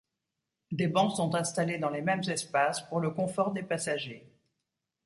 Des bancs sont installés dans les mêmes espaces, pour le confort des passagers.